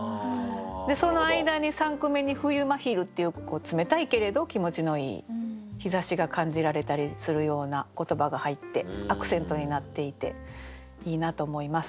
でその間に三句目に「冬真昼」っていう冷たいけれど気持ちのいい日ざしが感じられたりするような言葉が入ってアクセントになっていていいなと思います。